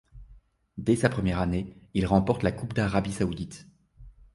Dès sa première année, il remporte la Coupe d'Arabie saoudite.